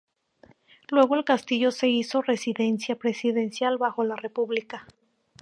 Luego el castillo se hizo residencia presidencial bajo la República.